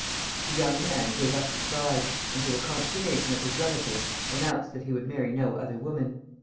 The young man gave up his bride, and to the consternation of his relatives announced that he would marry no other woman.